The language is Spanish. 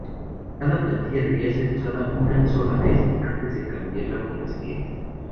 Cada plantilla debía ser usada una sola vez antes de cambiarla por la siguiente.